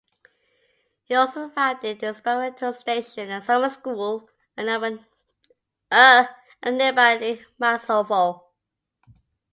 He also founded an experimental station and summer school at the nearby Lake Miassovo.